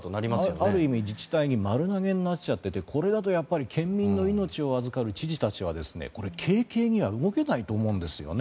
ある意味、自治体に丸投げになっちゃっててこれだと県民の命を預かる知事たちはこれ、軽々には動けないと思うんですね。